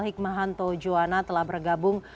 hikmahanto juwana telah bergabung